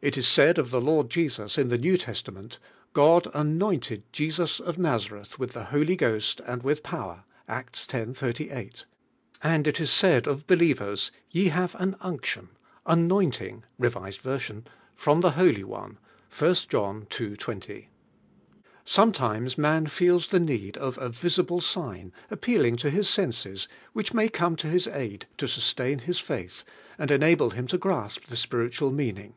It is said of the Lord Jesus in the New Testament: "God anointed Jesus of Nazareth with the Holy Ghost and with power" (Arts x. 38), and it is said of believers: "Ye lllVlNfe 11CAI.INI! I.S3 have an auction (anointing, R. V.) from the Holy One" (1. John ii. 20). Some times man feels the need of a visible sign, appealing to His senses, which may come to bis aid to sustain His faith, and enable him to grasp the spiritual mean ing.